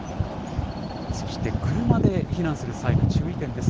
そして、車で避難する際の注意点です。